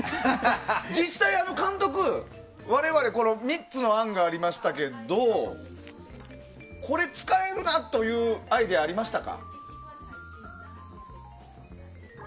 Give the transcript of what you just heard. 実際、監督我々、３つの案がありましたけどこれ、使えるなというアイデアはありましたか？